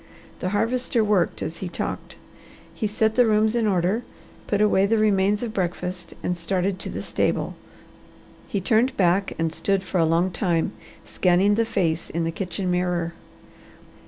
The Harvester worked as he talked. He set the rooms in order, put away the remains of breakfast, and started to the stable. He turned back and stood for a long time, scanning the face in the kitchen mirror.